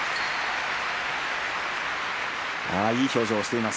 いい表情をしています